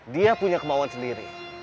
dia punya kemauan sendiri